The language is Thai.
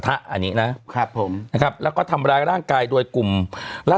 อันนี้นะครับผมนะครับแล้วก็ทำร้ายร่างกายโดยกลุ่มราช